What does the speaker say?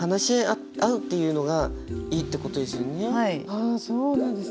あそうなんですね。